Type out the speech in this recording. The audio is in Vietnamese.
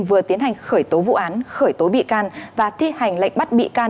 vừa tiến hành khởi tố vụ án khởi tố bị can và thi hành lệnh bắt bị can